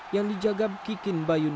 yang dijagab kikin berlund